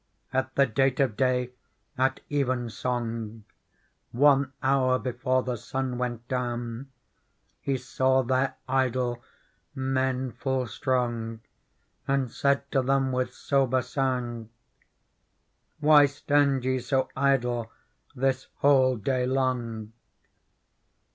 " At the date of day, at evensong. One hour before the sun went down. He saw there idle men full strong And said to them with sober sound :* Why stand ye so idle this whole day long